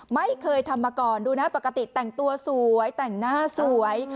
ไม่เคยทำมาก่อนดูนะปกติแต่งตัวสวยแต่งหน้าสวย